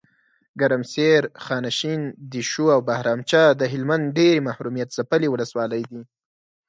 ګرمسیر، خانشین، دیشو اوبهرامچه دهلمند ډیري محرومیت ځپلي ولسوالۍ دي .